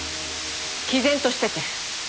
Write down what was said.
毅然としてて。